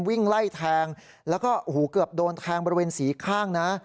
วิ่งไล่แทงแล้วก็โอ้โหเกือบโดนแทงบริเวณสีข้างนะ